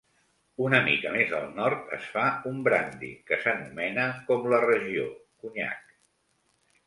Una mica més al nord es fa un brandi que s'anomena com la regió: conyac.